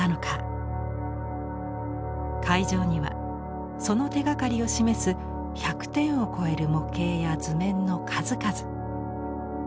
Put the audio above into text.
会場にはその手がかりを示す１００点を超える模型や図面の数々。